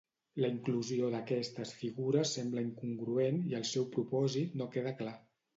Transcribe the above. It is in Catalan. La inclusió d'aquestes figures sembla incongruent i el seu propòsit no queda clar.